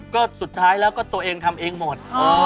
ก็สุดท้ายแล้วก็ตัวเองทำเองหมด